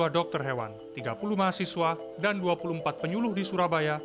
dua dokter hewan tiga puluh mahasiswa dan dua puluh empat penyuluh di surabaya